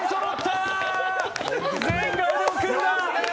全員が腕を組んだ！